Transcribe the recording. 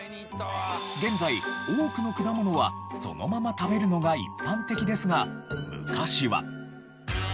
現在多くの果物はそのまま食べるのが一般的ですが昔は。